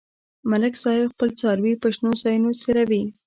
ملک صاحب خپل څاروي په شنو ځایونو څرومي.